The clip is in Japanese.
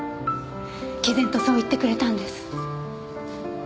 毅然とそう言ってくれたんです。